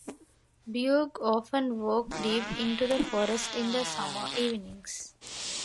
Bugge often walked deep into the forest in the summer evenings.